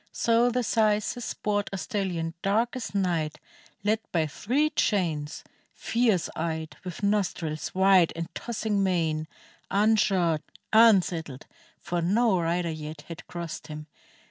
So the syces brought A stalHon dark as night, led by three chains, Fierce eyed, with nostrils wide and tossing mane, Unshod, unsaddled, for no rider yet Had crossed him.